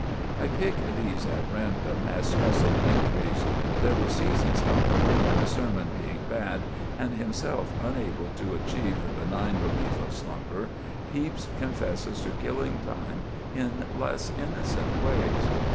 I pick these at random, as specimen entries. There were seasons, however, when, the sermon being bad, and himself unable to achieve the benign relief of slumber, Pepys confesses to killing time in less innocent ways.